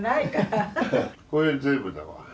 これで全部だわ。